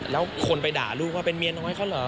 แล้วคนไปด่าลูกว่าเป็นเมียน้อยเขาเหรอ